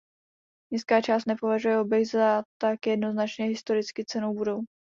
Městská část nepovažuje objekt za tak jednoznačně historicky cennou budovu.